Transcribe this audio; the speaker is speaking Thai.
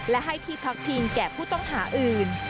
และให้ที่พักพิงแก่ผู้ต้องหาอื่น